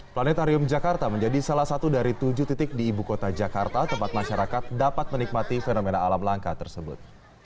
planetarium jakarta menjadi salah satu dari tujuh titik di ibu kota jakarta tempat masyarakat dapat menikmati fenomena alam langka tersebut